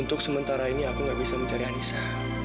untuk sementara ini aku nggak bisa mencari anissa